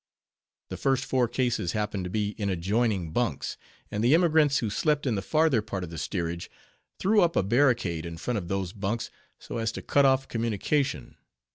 The first four cases happened to be in adjoining bunks; and the emigrants who slept in the farther part of the steerage, threw up a barricade in front of those bunks; so as to cut off communication.